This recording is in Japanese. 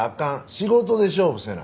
仕事で勝負せな。